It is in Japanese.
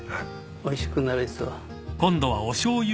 おいしくなりそう。